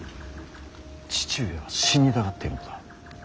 父上は死にたがっているのだ。